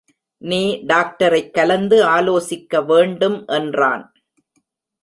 நீ டாக்டரைக் கலந்து ஆலோசிக்கவேண்டும் என்றான்.